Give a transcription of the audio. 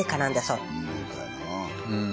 うん。